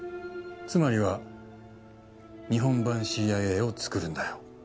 つまりは日本版ＣＩＡを作るんだよ。